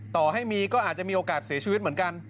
ต่อให้มีก็อาจจะมีโอกาสเสียชีวิตเหมือนกัน